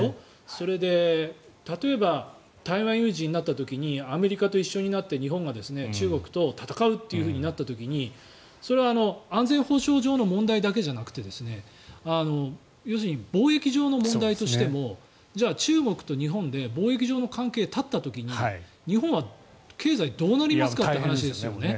それで例えば台湾有事になった時にアメリカと一緒になって日本が中国と戦うとなった時にそれは安全保障上の問題だけじゃなくて要するに貿易上の問題としてもじゃあ中国と日本で貿易上の関係を絶った時に日本は経済どうなりますかという話ですよね。